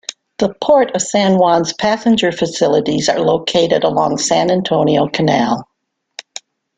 The Port of San Juan's passenger facilities are located along San Antonio Canal.